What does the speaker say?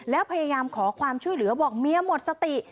แล้วพยายามขอความช่วยเหลือบอกเมียหมดสติ